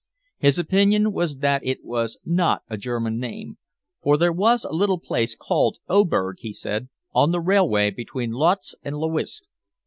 His opinion was that it was not a German name, for there was a little place called Oberg, he said, on the railway between Lodz and Lowicz.